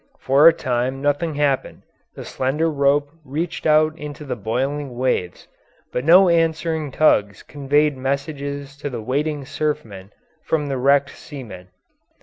For a time nothing happened, the slender rope reached out into the boiling waves, but no answering tugs conveyed messages to the waiting surfmen from the wrecked seamen.